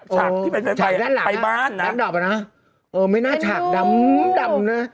ฉากที่ไปไปไปไปบ้านนะดับดับแล้วนะเออไม่น่าฉากดำดำนะ